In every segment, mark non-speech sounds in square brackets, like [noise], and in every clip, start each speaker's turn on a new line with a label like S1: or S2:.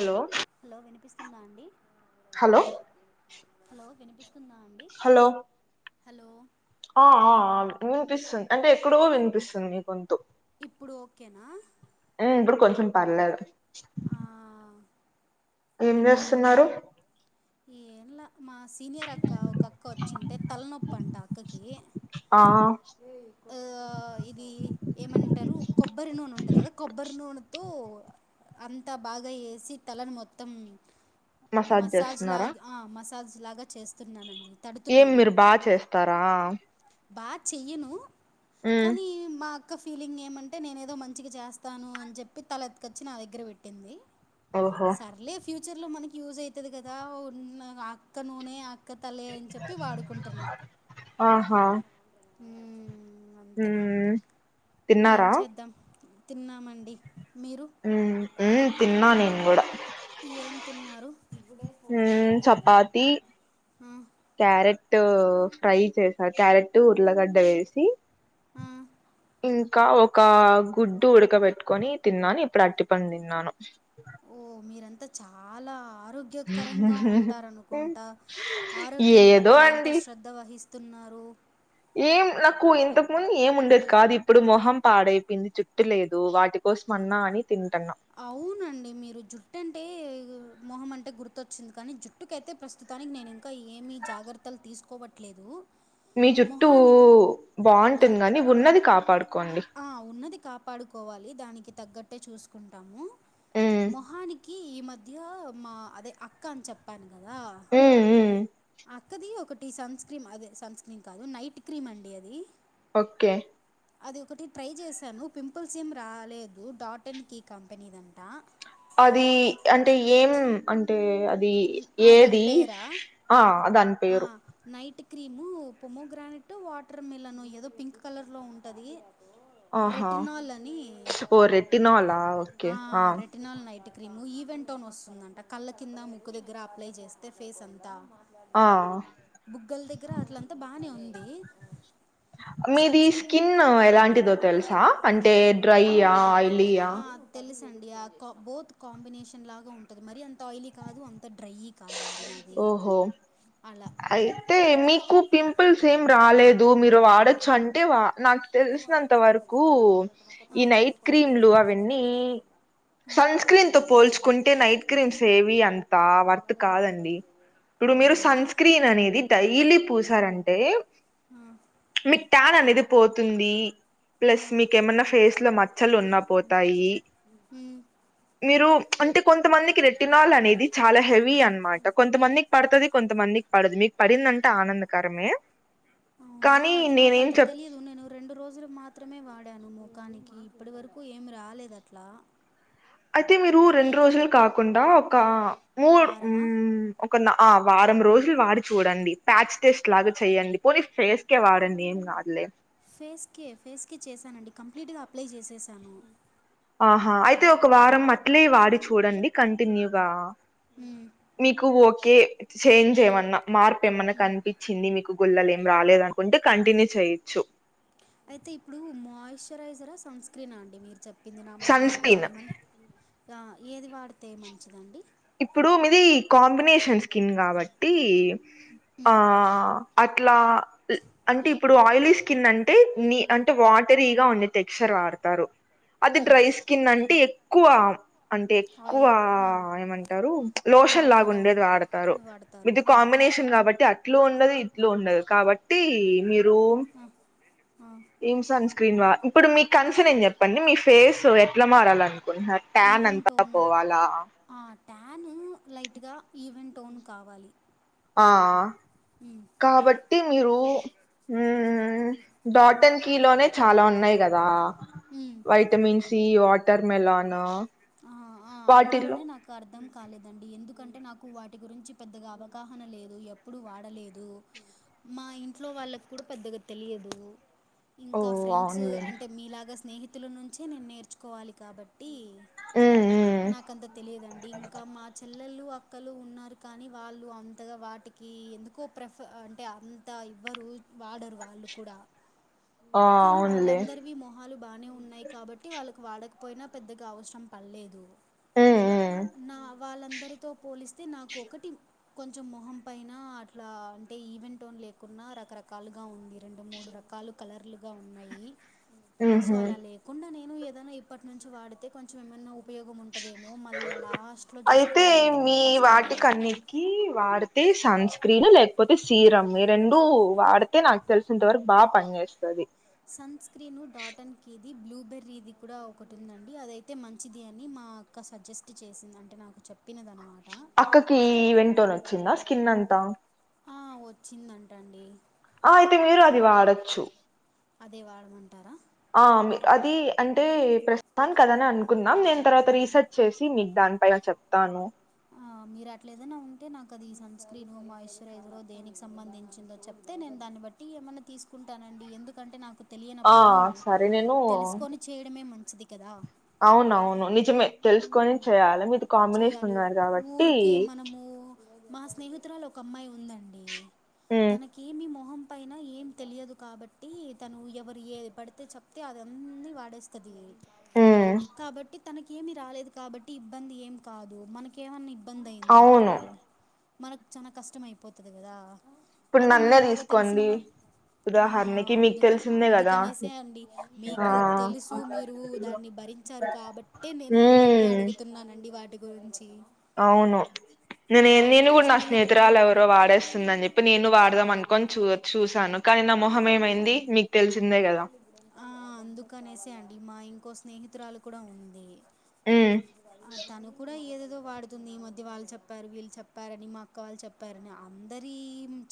S1: Hello
S2: hello వినిపిస్తుందా అండి,
S1: hello
S2: hello వినిపిస్తుందా అం డి
S1: హలో
S2: హలో
S1: ఆ ఆ వినిపిస్తుంది అంటే ఎక్కడవో వినిపిస్తుంది మీ గొంతు.
S2: ఇప్పుడు ఓకేనా?
S1: ఆ ఇప్పుడు కొంచం పర్లేదు
S2: ఆ
S1: ఏం
S2: ఇంకా
S1: చేస్తున్నారు?
S2: ఏంలా మాస్ సీనియర్ అక్క ఒక అక్క వచ్చింటే తలనొప్పంట అక్కకి
S1: ఆ
S2: ఆ ఇది ఏమంటరు కొబ్బరి నూనె ఉంటది కదా కొబ్బరి నూనెతో అంతా బాగా ఈసి తలని మొత్తం
S1: మసాజ్ చేస్తున్నారా?
S2: ఆ మసాజ్ లాగా చేస్తున్నానండి.
S1: ఏం మీరు బా చేస్తారా?
S2: బాగా చెయ్యను
S1: మ్
S2: కానీ మా ఒక ఫీలింగ్ ఏమంటే నేను ఏదో మంచిగా చేస్తాను అని చెప్పి, తలెత్తుకొచ్చి నా దగ్గర పెట్టింది.
S1: ఓహో
S2: సర్లే ఫ్యూచర్ లో మనకి యూజ్ అయితది కదా, ఉన్న అక్క నూనె ఇక్క తలే అని చెప్పి వాడుకుంటున్నా,
S1: ఆహా
S2: ఉమ్ అంతే,
S1: మ్
S2: ఏం
S1: తిన్నారా
S2: చేద్దాం తిన్నామండి మీరు
S1: మ్ మ్ తిన్నా నేను కూడా
S2: ఏం తిన్నారు? ఫోన్ గుడ
S1: మ్
S2: వచ్చింది
S1: చపాతి
S2: అంతే
S1: క్యారెట్ ఫ్రై చేసా. క్యారెట్, ఉర్లగడ్డ వేసి
S2: ఆ.
S1: ఇంకా ఒక గుడ్డు ఉడక పెట్టుకొని తిన్నాను, ఇప్పుడరటి పండు తిన్నాను.
S2: ఓ మీరంతా చాలా ఆరోగ్ గ్యోకరంగా ఉంటారనుకుంటా, ఆరోగ్యం
S1: ఏదో
S2: పట్ల ఇంత
S1: అండి
S2: శ్రద్ ద వహిస్తున్నారు.
S1: ఏం నాకు ఇంతకు ముందు ఏం ఉండేది కాదు ఇప్పుడు మొహం పాడైపోయింది, జుట్టు లేదు వాటి కోసమన్నా అని తింటన్నా.
S2: అవునండి మీరు జుట్టు అంటే మొహం అంటే గుర్తొచ్చింది కానీ జుట్ జుట్టుకైతే ప్రస్తుతానికి నేను ఇంకా ఏమీ జాగ్రత్తలు తీసుకోవట్లేదు.
S1: మీ చుట్టూ
S2: మొహానికి ఒక రక
S1: బాగుంటుందని ఉన్నది కాపాడుకోండి.
S2: ఆ ఉన్నది కాపాడుకోవాలి, దానికి తగ్గట్టే చూసుకుంటాము.
S1: ఉమ్
S2: మొహానికి ఈ మధ్య మా అదే అక్క అని చెప్పాను కదా
S1: ఉమ్ ఉ
S2: అక్కది ఒకటి సన్ స్క్రీమ్ అదే సన్ స్క్రీమ్ కాదు, నైట్ క్రీమ్ అండి అది.
S1: ఓకే
S2: అది ఒకటి ట్రై చేశాను, పింపుల్స్ ఏం రాలేదు డాట్న్ కి కంపెనీదంటా
S1: అది అంటే ఏం అంటే అద్ ది
S2: ఉమ్, ఆ, దాని
S1: ఏది
S2: పేరా
S1: ఆ అదని
S2: ఆ
S1: పేరు
S2: నైట్ క్రీము పొమోగ్రానిట్, వాటర్ మిలనో ఏదో పింక్ కలర్ లో ఉంటది.
S1: ఆహా
S2: రెటినోల్ అని
S1: ఓ రెట్టినాలా ఓకే
S2: ఆ retinol night cream, even tone వస్తుందంట కళ్ళ కింద ముక్కు దగ్గర అప్లై చేస్తే ఫేస్ ఎంతా.
S1: ఆ
S2: బుగ్గల దగ్గర అట్లంతా బానే ఉంది సన్
S1: మీది
S2: స్క్రీన్
S1: స్కిన్ ఎలాంటిదో తెలుసా అంటే
S2: ఆ
S1: డ్రైయ్యా ఆయిలీయా
S2: ఆ తెలుసండి ఆ కా బోత్ కాంబినేషన్ లాగా ఉంటది మరి అంత ఆయిలీ కాదు అంత్ అంత డ్రై య్యి కాదండి నా
S1: ఓహో అయి తే మీకు పింపుల్స్ ఏం రాలేదు మీరు వాడొచ్చు అంటే వా నాక్ తెలిసినంత వరకు
S2: ఆ
S1: ఈ నైట్ క్రీమ్లు అవేన్నీ
S2: ఆ
S1: సన్ స్క్రీన్ తో పోల్చుకుంటే నైట్ క్రీమ్స్ ఏవి అంత వర్త్ కాదండి ఇప్పుడు మీరు
S2: అవునా
S1: సన్ స్క్రీన్ అనేది డైలీ పూసారంటే
S2: ఆ
S1: మీక్ టాన్ అనేది పోతుంది
S2: ఆ
S1: ప్లస్ మీకేమన్నా ఫేస్ లో మచ్చలు ఉన్నప్ పోతాయి
S2: ఉమ్
S1: మీరు అంటే కొంతమందికి రెటినాల్ అనేది చాలా హెవీ అన్మాట కొంతమంది పడుతుది కొంతమందిక్ పడదు మీకు పడిందంటే ఆనందకరమే
S2: అవునా
S1: కానీ
S2: అది
S1: నేనేం
S2: నాకంత
S1: చెప్
S2: తెలియదు నేనూ రెండు రోజులు మాత్రమే వాడాను మొఖానికి ఇప్పడి వరకు ఏమి రాలేదట్లా
S1: అయితే మీరు రెండ్ రోజుల్ కాకుండా ఒకా
S2: వారమా
S1: ఒక నా అ వారం రోజులు వాడి చూడండి ప్యాచ్ టెస్ట్ లాగా చెయ్యడి పోనీ ఫేస్ క్కే వాడండి ఏం గాదులే
S2: ఫేస్కే ఫేస్కే చేశానండి కంప్లీట్గా అప్లై చేసేసాను
S1: ఆహా అయితే ఒక వారం అట్లే వాడి చూడండి కంటిన్యూగా
S2: ఉమ్
S1: మీకు ఓకే చేంజ్ ఏమన్నా మార్ప్ ఏమన్నా కనిపి చిన్ని మీకు గొల్లల్ ఏం రాలేదనుకుంటే కంటిన్యూ చేయిచ్చు
S2: అయితే ఇప్పుడు మాయిశ్చరైజరా సన్ స్క్రీనా అండి మీరు చెప్పింది నా
S1: సన్
S2: మొహానికి
S1: స్క్రీన్
S2: వాడమన్ గా ఏది వాడితే మంచిదండి
S1: ఇప్పుడు మీది కాంబినేషన్ స్కిన్ గావట్టి ఆ
S2: మ్మ్.
S1: అట్లా ల్ అంటే ఇప్పుడు ఆయిలీ స్కిన్ అంటే నీ అంటే వాటరీగా ఉండే టెక్స్చర్ వాడతారు అది
S2: మ్మ్.
S1: డ్రై స్కిన్ అంటే ఎక్కువ అంటే
S2: ఆయిల్
S1: ఎక్కువా ఏమన్ టరు లోషన్ లాగ్
S2: వాటర్గా
S1: ఉండేది
S2: ఉండ
S1: వాడతారు
S2: వాడతారు
S1: ఇది
S2: ఆ.
S1: కాంబినేషన్ కాబట్టి అట్ ఇట్లో ఉండదు ఇట్లో ఉండదు కాబట్టి మీరూ
S2: అహ్ ఆ
S1: ఏం సన్ స్క్రీన్ వా ఇప్పుడు మీ కన్సన్ ఏం చెప్పండి మీ ఫేస్ ఎట్లా మారాలనుకుంటున్నారు ట్యాన్
S2: ఈవెంట్
S1: అంతా
S2: ఓను
S1: పోవాలా
S2: ఆ ట్యాను లైట్గా ఈవెంట్ ఓన్ కావాలి
S1: ఆ
S2: ఉమ్,
S1: కాబట్టి మీరు
S2: ఉమ్,
S1: ఊమ్ డాటన్ కీ లోనే చాలా ఉన్నాయి గదా
S2: ఉమ్.
S1: వైటమిన్ సి వాటర్ మెలనా
S2: ఆ, ఆ,
S1: వాటి ల్లో
S2: అందులోనే నాకు అర్థం కాలేదండి ఎందుకంటే నాకు వాటి గురించి పెద్దగా అవగాహన లేదు ఎప్పుడు వాడలేదు మా ఇంట్లో వాళ్ళక్కూడా పెద్దగా తెలియదు
S1: ఓ
S2: ఇంకా ఫ్రెండ్స్
S1: అవునులే
S2: అంటే మీలాగా స్నేహితుల నుంచే నేను నేర్చుకోవాలి కాబ ట్టి
S1: మ్మ్ మ్మ్
S2: నాకంత తెలియదండి ఇంకా మా చె ల్లలు అక్కలు ఉన్నారు కానీ వాళ్ళు అంతగా వాటికి ఎందుకో ప్రిఫ అ అంటే అన్ తా ఇవ్వరు వాడరు వాళ్ళు కూడా
S1: ఆ
S2: కానీ
S1: అవునులే
S2: వాళ్ళందరివి మోహ్ హాలు బానే ఉన్నాయి కాబట్టి వాళ్ళక్ వాడకపోయినా పెద్దగా అవసరం పల్లేదు
S1: మ్మ్ మ్మ్
S2: నా వాళ్ళందరితో పోలిస్తే నాకొకటి కొంచెం మొహం పైన అట్లా అంటే ఈవెంట్ టోన్ లేకున్నా రకరకాలుగా ఉంది, రెండు మూడు రకాలు కలర్లుగా ఉన్నాయి
S1: మ్మ్
S2: సో
S1: హ్మ్
S2: అలా లేకుండా నేను ఏదైనా ఇప్పటి నుంచి వాడితే కొంచెం ఏమనా ఉపయోగం ఉంటదే మళ్ళా లాస్ట్ లో చూసుకోవాలంటే కొంచం కష్టం కదా
S1: నాకి వాడితే సన్ స్క్రీన్ లేకపోతే సీరమ్ ఈ రెండు వాడితే నాకు తెలిసినంత వరకు బాగా పనిచేస్తది.
S2: సన్ స్క్రీను డాటన్ కి ఇది బ్లూబెర్రీ ఇది కూడా ఒకటి ఉందండి అదయితే మంచిది అని మా క్క సజెస్ట్ చేసింది అంటే నాకు చెప్పినదనమాట
S1: అక్కకి ఈవెన్ టోన్ వచ్చిందా స్కిన్ అంతా
S2: ఆ వచ్చిందంట అండి
S1: ఆ అయితే మీరు అది వాడొచ్చు
S2: అదే వాడమంటారా?
S1: ఆ అది అంటే ప్రస్తుతానికి అదని అను కున్నాం నేను తర్వాత రీసెర్చ్ చేసి మీకు దాని పైన చెప్తాను.
S2: మీరు అట్ల ఏదైనా ఉంటే నాకు అది సన్ స్క్రీనో, మాయిశ్చరైజరో దేనికి సంబంధించిందో చెప్ తే నేను దాన్ని బట్టి ఏమన్నా తీసుకుంటానండి ఎందుకంటే నాకు
S1: ఆ!
S2: తెలియనప్పుడు
S1: సరే నేను
S2: తెలుసుకొని చేయడమే మంచిది కదా.
S1: అవునవును నిజమే తెలుసుకొని చేయాలి మీది కాంబినేషన్
S2: చేయాలి
S1: అన్నారుగా
S2: ఊరికే మనము మా స్నేహితురాలు ఒక అమ్మాయి ఉందండి,
S1: హ్మ్.
S2: తనకేమి మొహం పైన ఏం తెలియదు కాబట్టి తను ఎవరు ఏది పడితే చెప్తే అది అన్నీ వాడేస్తది.
S1: హ్మ్.
S2: కాబట్టి తనకి ఏమి రాలేదు కాబట్టి ఇబ్బంది ఏమి కాదు, మనకి ఏమన్నా ఇబ్బంది అయిందనుకో,
S1: అవును.
S2: మనకు చానా కష్టం అయిపోతది కదా.
S1: ఇప్పుడు
S2: అదే
S1: నన్నే
S2: మీలాగ తెలిసిన
S1: తీసుకోండి.
S2: వాళ్ళు ఆ
S1: ఉదాహరణకి మీకు
S2: అందుకని
S1: తెలిసిందే కదా!
S2: అందుకనేసే అండి
S1: ఆ!
S2: మీకు తెలుసు మీరు దాన్ని భరి చ్చరు కాబట్టే నేను మిమ్మల్ని
S1: హ్మ్.
S2: అడుగుతున్నానండి వాటి గురించి
S1: అవును, నేనే
S2: మా
S1: నేను
S2: ఇంకో
S1: కూడా నా స్నేహితురాలు ఎవరో వాడేస్తుందని చెప్ ప్పి నేను వాడదాం అనుకోని చూ చూసాను కానీ నా మొహం ఏమైంది మీకు తెలిసిందే కదా.
S2: ఆ అందుకనేసే అండి మా ఇంకో స్నేహితురాలు కూడా ఉంది.
S1: హ్మ్.
S2: ఆ తను కూడా ఏదేదో వాడు తుంది ఈ మధ్య వాళ్ళు చెప్పారు, వీళ్ళు చెప్పారని, మా అక్క వాళ్ళు చెప్పారని అందరి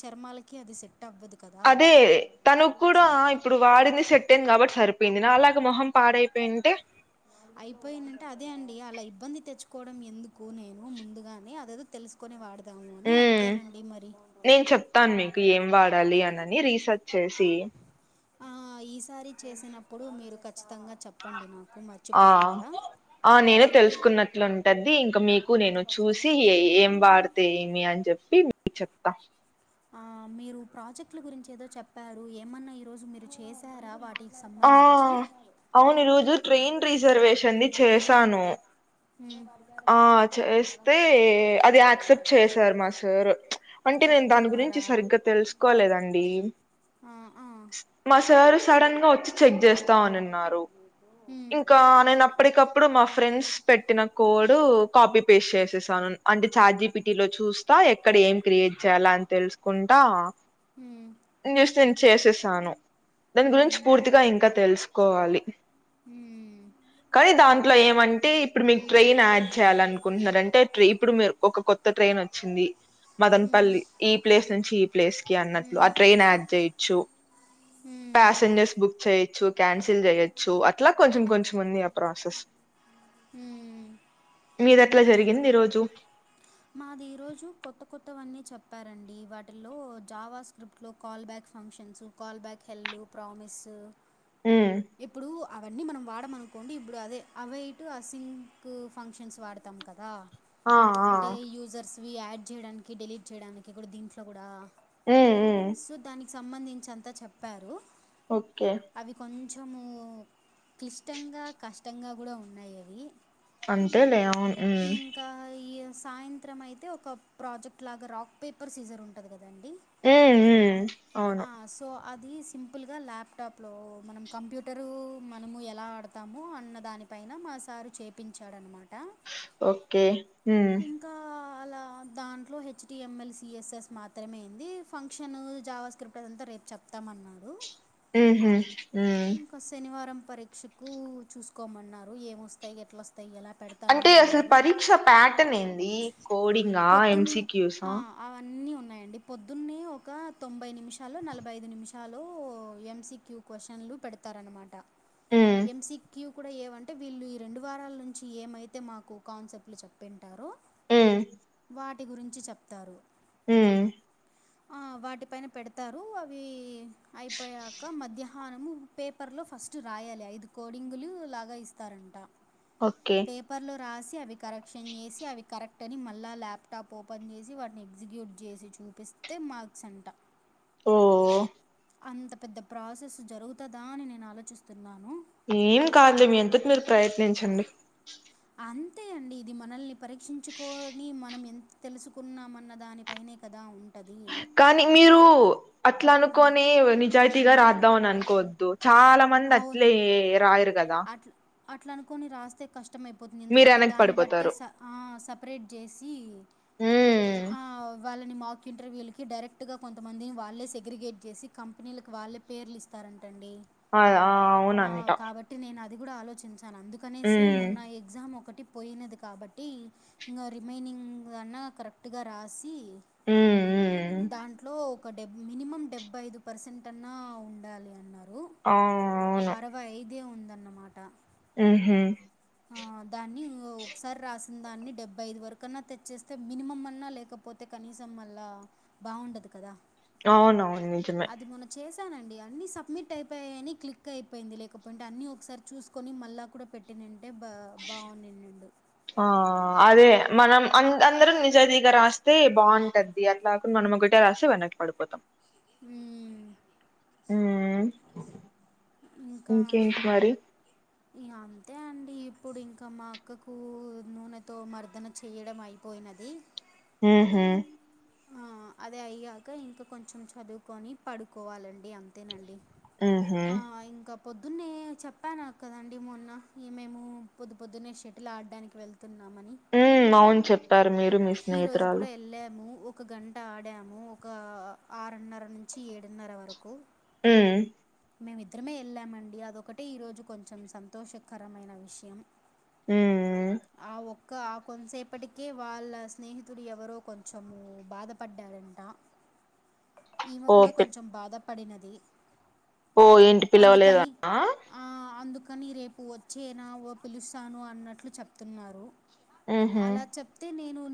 S2: చర్మాలకి అది సెట్ అవ్వదు. కదా
S1: అదేే, తను కూడా ఇప్పుడు వాడింది సెట్ అయింది కాబట్టి సరిపోయింది నాలాగ మొహం పాడైపోయింటే
S2: అయిపోయినంటే అదే అండి అలా ఇబ్బంది తెచ్చుకోవడం ఎందుకు నేను ముందుగానే అదేదో తెలుసు కుని వాడదాము అని
S1: ఉమ్
S2: అంతేనండి మరి
S1: నేను చెప్తాను మీకు ఏం వాడాలి అనని రీసెర్చ్ చేసి
S2: ఆ ఈసారి చేసినప్పుడు మీరు ఖచ్చితంగా చెప్ పండి నాకు
S1: ఆ
S2: మర్చిపోకుండా
S1: ఆ నేను తెలుసుకున్నట్లుంటది ఇంక మీకు నేను చూసి ఏం వాడితే ఏమి అని చెప్పి చెప్తా
S2: ఆ మీరు ప్రాజెక్ట్ల గురించి ఏదో చెప్పార, ఏమన్నా ఈ రోజు మీరు చేశారా వాటి
S1: ఆ
S2: సంబంధించి
S1: అవును ఈ రోజు ట్రైన్ రిజర్వేషన్ ని చేశాను ఆ చేస్తే అది యాక్సెప్ట్ చేశారు మా
S2: హ్మ్
S1: సార్ అంటే నేను దాని గురించి సరిగ్గా తెలుసుకోలేదండి
S2: ఆ ఆ
S1: మా సారు సడన్ గా వచ్చి చెక్ చేస్తాననిన్నారు
S2: మ్మ్.
S1: ఇంకా నేను అప్పటికప్పుడు మా ఫ్రెండ్స్ పెట్టిన కోల్ కాపీ పేస్ట్ చేసేసాను అంటే చార్జిపిటి లో చూస్తా ఎక్కడ ఏం క్రియేట్ చేయ్యాల అని తెలుసు కుంట
S2: మ్మ్.
S1: [unintelligible] నేను చేసేసాను దాని గురించి
S2: మ్మ్,
S1: పూర్తి తెలుసుకోవాలి
S2: హ్మ్
S1: కానీ దాంట్లో ఏమంటే ఇప్పుడు మీకు ట్రైన్ యాడ్ చేయాలినుకుంటున్నారంటే ఇప్పుడు మీరు ఒక కొత్ కొత్త ట్రైన్ వచ్చింది మదన్పల్లి ఈ ప్లేస్ నుంచి ప్లేస్ కి అన్నట్లు ఆ ట్రేన్ ఆడ్ చెయొచ్చు
S2: మ్మ్,
S1: పాసింజర్స్ బుక్ చేయొచ్చు క్యాన్సిల్ చెయొచ్చు అట్లా కొంచెం కొంచెం ఉంది ఆ ప్రాసెస్
S2: హ్మ్
S1: మీదెట్ల జరిగింది ఈరోజు
S2: మాది ఈ రోజు కొత్త కొత్తవన్నీ చెప్పారండి వాటిలో జావా స్క్రిప్ ఇంట్లో callback functions callback హెల్ ప్రామిసు
S1: హ్మ్
S2: ఇప్పుడు అవన్నీ మనం వాడమనుకోండి ఇప్పుడు అదే అవేటు ఆ సింక్ ఫంక్షన్స్ వాడతాం కదా
S1: ఆ ఆ
S2: అంటే యూజర్స్వి యాడ్ చేయడానికి డెలీట్ చేయడానికి గూడా దీంట్లో గూడా
S1: ఆ
S2: సో దానికి సంబంధించి అంతా చెప్పారు
S1: ఓకే
S2: అవి కొంచెము క్లిష్టంగా కష్టంగా గూడా ఉన్నాయ్ అవి
S1: అంతేలే అవున్ హ్మ్
S2: ఇంకా ఈ సాయంత్రం అయితే ఒక ప్రాజెక్ట్ లాగా రాక్ పేపర్ సీజర్ ఉంటంది కదండి
S1: హ్మ్ హు అవును
S2: సో అది సింపుల్గా ల్యాప్టాప్లో మనం కంప్యూటరు మనము ఎలా ఆడతాము అన్న దాని పైన మా సారు చేపించాడన్నమాట
S1: ఓకే హ్మ్
S2: క్క అలా దాంట్లో H T M L C S S మాత్రమే యెంది ఫంక్షన్ జావా స్క్రిప్ట్ అదంతా రేపు చెప్ త్తమన్నారు
S1: హ్మ్ హు హ్మ్
S2: ఒక శనివారం పరీక్షకు చూసుకోమన్నారు ఏమొస్తయ్ ఎట్లొస్తయ్ ఎలా పెడ్
S1: అంటే అసలు పరీక్ష ప్యాటర్న్ ఏంది కోడింగ ఎం సి
S2: పొద్దున్నే
S1: క్యు
S2: ఆ!
S1: సా
S2: అవన్నీ ఉన్నాయండి పొద్దున్నే ఒక తొంభై నిమిషాలొ నలభై ఐదు నిమిషాలొ ఎంసి క్యూ క్వశ్చన్లు పెడతారన్నమాట
S1: ఉమ్
S2: ఎంసీ క్యూ కుడా ఏవన్టే వీళ్ళు ఈ రెండు వారాల నుంచి ఏమైతే మాకు కాన్సెప్ట్లు చెప్పింటారొ
S1: ఉమ్
S2: వాటి గురించి చెప్తారు
S1: హ్మ్
S2: హా వాటిపైన పెడతారు అవి అయిపోయాక మధ్యాహానము పేపర్లో ఫస్ట్ రాయాలి ఐదు కోడింగులు లాగా ఇస్తారంట
S1: ఓకే
S2: పేపర్లో రాసి అవి కరెక్షన్ చేసి అవి కరెక్ట్ అని మళ్ళా ల్యాప్టాప్ ఓపెన్ చేసి వాటిని ఎగ్జిక్యూట్ చేసి చూపిస్తే మార్క్స్ అంట
S1: ఓ
S2: అంత పెద్ద ప్రాసెస్ జరుగుతుందా అని నేను ఆలోచిస్తున్నాను
S1: ఏం కాదు మీ అంతటి మీరు ప్రయత్నించండి
S2: అంతే అండి ఇది మనల్ని పరీక్షించుకొని మనం ఎంత తెలుసుకున్నామన్న దానిపైనే కదా ఉ ఉంటది
S1: కానీ మీరు అట్లా అనుకోని నిజాయితీగా రాద్దాం అని అనుకోవద్దు చాలా మంది అట్లే రాయరు కదా
S2: అట్ అట్లా అనుకని రాస్తే కష్టమయిపోతుంది
S1: మీరు
S2: ఎందుకంటే
S1: వెనక్కి
S2: దాన్ని బట్టే
S1: పడిపోతారు
S2: స ఆ సపరేట్ చేసి ఆ వాళ్ళని మాక్ ఇంటర్వ్యూలకి డైరెక్ట్గా కొంతమందిని వాళ్ళే సెగ్రిగేట్ చేసి కంపెనీలకు వాళ్ళే పేర్లు ఇస్తారంటండి
S1: అ అవునంటా
S2: బట్టి నేను అది కూడా ఆలోచించాను అందుకనేసే
S1: ఉమ్
S2: మొన్న ఎగ్జామ్ ఒకటి పోయినది కాబట్టి ఇంకా రిమైనింగ్ అన్నా కరెక్ట్గా రాసి
S1: ఉమ్ ఉమ్
S2: సి దాంట్లో ఒక డెబ్ మినిమం డెబ్బై ఐదు పర్సెంట్ అన్నా ఉండాలి అన్నారు
S1: ఆ అవును
S2: ఇరవై ఐదే ఉందన్నమాట
S1: ఆహా
S2: ఆ దాన్ని ఒకసారి రాసిన దాన్ని డెబ్బై ఐదు వరకు అన్నా తెచ్చేస్తే మినిమం అన్నా లేకపోతే కనీసం మళ్ళా బాగుండదు కదా
S1: అవునవును నిజమే
S2: అది మొన్న చేశానండి అన్ని సబ్మిట్ అయిపోయాయని క్లిక్ అయిపోయింది లేకపోయితేే అన్ని ఒకసారి చూసి కని మళ్ళా కూడా పెట్టిన అంటే బా బాగుంనిన్నిండు
S1: ఆ అదే మనం అందరం నిజాయితీగా రాస్తే బాగుంటది అది అట్లాకుడా మనం ఒకటే రాసి వెనక్కి పడిపోతాం
S2: మ్
S1: ఉమ్ ఇంకేంటి మరి
S2: ఇ అంతే అండి ఇప్పుడు ఇంకా మా అక్కకు నూనెతో మర్దన చేయడం అయిపోయినది
S1: ఉహూ
S2: ఆ, అదే అయ్యాక ఇంకా కొంచెం చదువుకొని పడుకోవాలండి అంతేనండి
S1: ఉహు
S2: ఆ ఇంకా పొద్దున్నే చెప్పాను కదండి మొన్న మేము పొద్దు పొద్దున్నే షటిల్ ఆడడానికి వెళ్తున్నామని
S1: ఉ అవును చెప్పారు మీరు మీ
S2: ఈ రోజు కూడా
S1: స్నేహితురాలు
S2: వెళ్ళాము ఒక గంట ఆడాము ఒక ఆరున్నర నుంచి ఏడున్నర వరకు
S1: ఆ
S2: మేమిద్దరమే వెళ్ళామండి అదొకటే ఈరోజు కొంచెం సంతోషకరమైన విషయం
S1: హ
S2: ఆ ఒక్క ఆ కొంతసేపటికే వాళ్ళ స్నేహితుడు ఎవరో కొంచెం బాధపడ్డారంట ఈమె
S1: ఓ
S2: కూడా
S1: పి
S2: కొంచెం బాధపడినది
S1: ఓ ఏంటి
S2: అందుకని
S1: పిలవలేదనా
S2: ఆ అందుకని రేపు వచ్చేనా పిలుస్తాను అన్నట్లు చెప్తున్నారు
S1: ఉహు
S2: అలా చెప్తే నేను